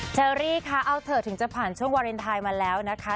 เชอรี่คะเอาเถอะถึงจะผ่านช่วงวาเลนไทยมาแล้วนะคะ